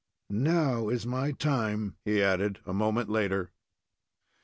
"Now is my time," he added, a moment later.